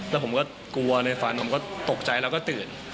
แล้วผมก็กลัวในฝันผมก็ตกใจแล้วก็ตื่น